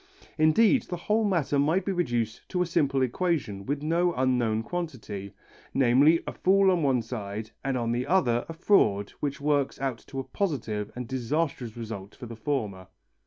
Indeed the whole matter might be reduced to a simple equation with no unknown quantity, namely a fool on one side and on the other a fraud which works out to a positive and disastrous result for the former.